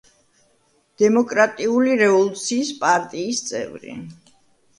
დემოკრატიული რევოლუციის პარტიის წევრი.